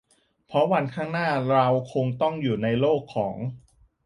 เพราะวันข้างหน้าเราคงต้องอยู่ในโลกของ